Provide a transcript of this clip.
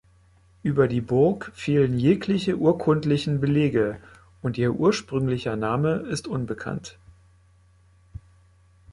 Über die Burg fehlen jegliche urkundlichen Belege und ihr ursprünglicher Name ist unbekannt.